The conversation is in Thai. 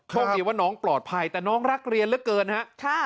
โชคดีว่าน้องปลอดภัยแต่น้องรักเรียนเหลือเกินฮะ